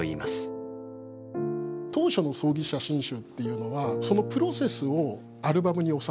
当初の葬儀写真集っていうのはそのプロセスをアルバムに収める。